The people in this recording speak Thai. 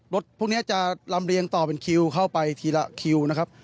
รถพวกนี้จะลำเรียงต่อเป็นคิวเข้าไปทีละคิวนะครับ